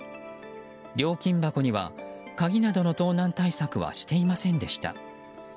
料金箱には、鍵などの盗難対策はしていませんでした。